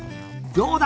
どうだ？